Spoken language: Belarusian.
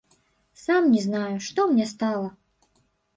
Сам не знаю, што мне стала?